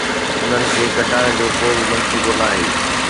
انهن کي گهٽائڻ جو ڪو به منصوبو ناهي